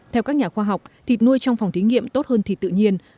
theo các nhà khoa học thịt nuôi trong phòng thí nghiệm tốt hơn thịt tự nhiên